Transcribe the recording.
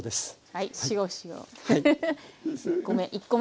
はい。